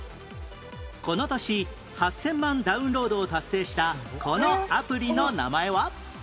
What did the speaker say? この年８０００万ダウンロードを達成したこのアプリの名前は？